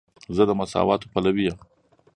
زه د مساواتو پلوی یم.